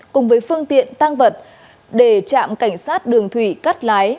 cùng với phương tiện tăng vật để trạm cảnh sát đường thủy cắt lái